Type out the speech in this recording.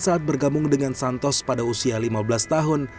saat bergabung dengan santos pada usia lima belas tahun